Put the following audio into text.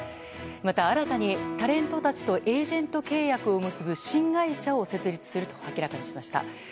また、新たにタレントたちとエージェント契約を結ぶ新会社を設立すると明らかにしました。